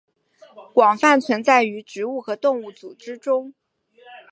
广泛存在于植物和动物组织中。